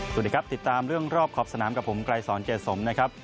สุดีครับติดตามรอบขอบสนามกับผมกลายสองเจสมนะครับ